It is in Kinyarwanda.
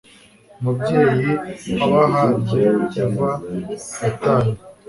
umubyeyi w'abahabye eva yataye